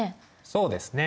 そうですね。